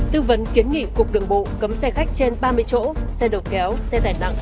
tư vấn kiến nghị cục đường bộ cấm xe khách trên ba mươi chỗ xe đầu kéo xe tải nặng